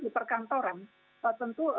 di perkantoran tentu